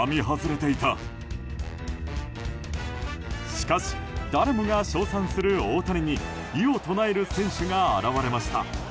しかし、誰もが称賛する大谷に異を唱える選手が現れました。